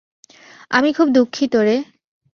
আমি খুব দুঃখিত রে।